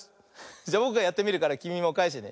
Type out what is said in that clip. じゃぼくがやってみるからきみもかえしてね。